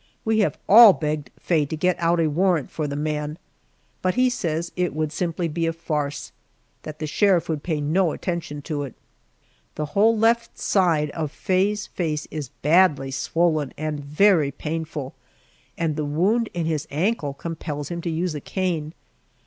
We have all begged Faye to get out a warrant for the man, but he says it would simply be a farce, that the sheriff would pay no attention to it. The whole left side of Faye's face is badly swollen and very painful, and the wound in his ankle compels him to use a cane.